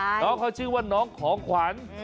น้องเขาชื่อว่าน้องของขวัญ